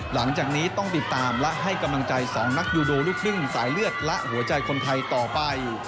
หลังจากนี้ต้องติดตามและให้กำลังใจ๒นักยูโดลูกครึ่งสายเลือดและหัวใจคนไทยต่อไป